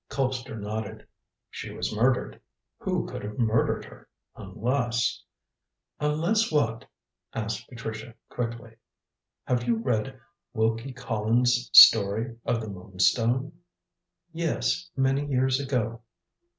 Colpster nodded. "She was murdered. Who could have murdered her? Unless " "Unless what?" asked Patricia, quickly. "Have you read Wilkie Collins' story of The Moonstone?" "Yes, many years ago."